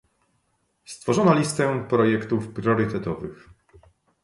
Stworzono listę projektów priorytetowych